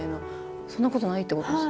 そんなことないってことですよね。